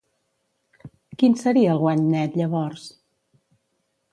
Quin seria el guany net llavors?